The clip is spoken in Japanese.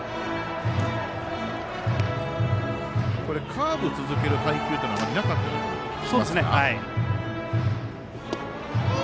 カーブを続ける配球はあまりなかったように思えますね。